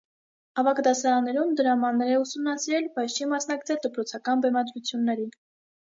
Ավագ դասարաններում դրամաներ է ուսումասիրել, բայց չի մասնակցել դպրոցական բեմադրություններին։